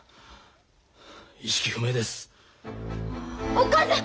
お母さん！